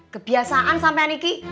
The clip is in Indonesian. kebiasaan sampe ane iki